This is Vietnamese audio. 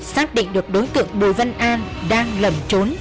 xác định được đối tượng bùi văn an đang lẩn trốn